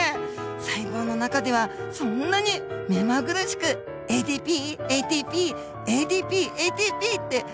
細胞の中ではそんなに目まぐるしくＡＤＰＡＴＰＡＤＰＡＴＰって繰り返されているんですか。